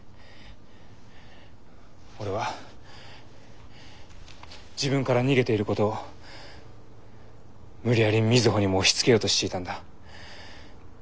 俺は自分から逃げていることを無理やり瑞穂にも押しつけようとしていたんだ。